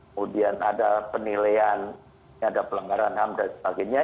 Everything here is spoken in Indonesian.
kemudian ada penilaian ada pelanggaran ham dan sebagainya